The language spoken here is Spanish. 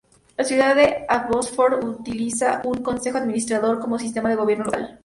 La ciudad de Abbotsford utiliza un Concejo Administrador como sistema de gobierno local.